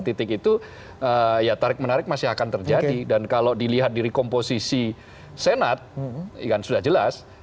titik itu ya tarik menarik masih akan terjadi dan kalau dilihat dari komposisi senat yang sudah jelas